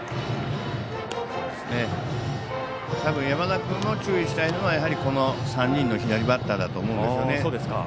山田君も注意したいのは３人の左バッターだと思うんですよね。